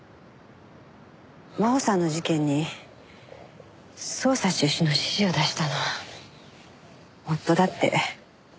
真穂さんの事件に捜査中止の指示を出したのは夫だって。